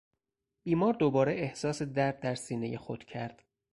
بیمار دوباره احساس درد در سینهی خود کرد.